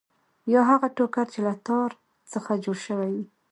یا هغه ټوکر چې له تار څخه جوړ شوی وي.